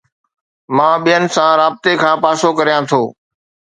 مان ٻين سان رابطي کان پاسو ڪريان ٿو